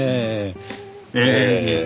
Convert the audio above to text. ええ。